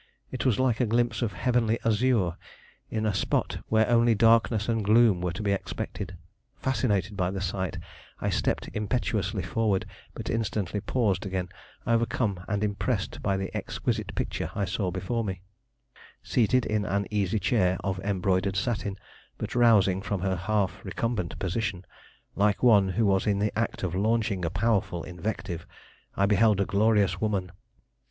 It was like a glimpse of heavenly azure in a spot where only darkness and gloom were to be expected. Fascinated by the sight, I stepped impetuously forward, but instantly paused again, overcome and impressed by the exquisite picture I saw before me. [Illustration: "Her whole appearance was so startling, so extraordinary, that I held my breath in surprise"] Seated in an easy chair of embroidered satin, but rousing from her half recumbent position, like one who was in the act of launching a powerful invective, I beheld a glorious woman.